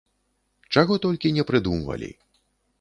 Чаго толькі не прыдумвалі.